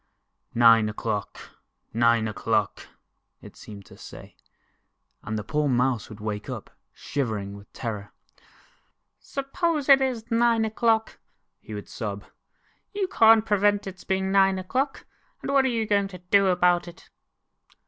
" Nine o'clock, nine o'clock," it seemed 248 The Mouse's Revenge. 249 to say, and the poor Mouse would wake up, shivering with terror. "Suppose it is nine o'clock," he would sob; you can't prevent its being nine o'clock, and what are you going to do about it?"